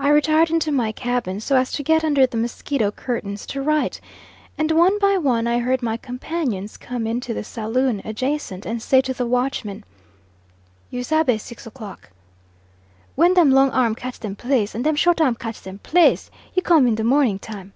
I retired into my cabin, so as to get under the mosquito curtains to write; and one by one I heard my companions come into the saloon adjacent, and say to the watchman: "You sabe six o'clock? When them long arm catch them place, and them short arm catch them place, you call me in the morning time."